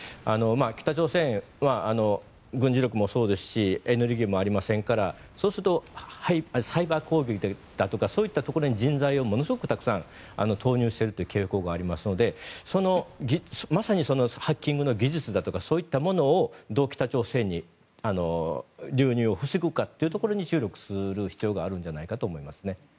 北朝鮮は軍事力もそうですしエネルギーもありませんからそうするとサイバー攻撃だとかそういったところに人材をものすごく投入するという傾向がありますのでまさにハッキングの技術だとかそういったものをどう北朝鮮に流入を防ぐかというところに注力する必要があるんじゃないかと思いますね。